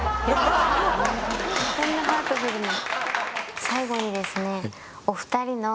こんなハートフルな。